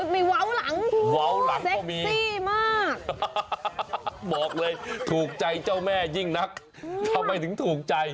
ไม่เว้าหลังเว้าหลังก็มีซี่มากบอกเลยถูกใจเจ้าแม่ยิ่งนักทำไมถึงถูกใจ